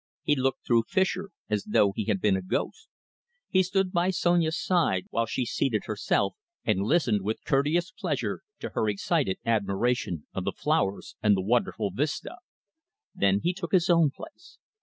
He looked through Fischer as though he had been a ghost. He stood by Sonia's side while she seated herself, and listened with courteous pleasure to her excited admiration of the flowers and the wonderful vista. Then he took his own place.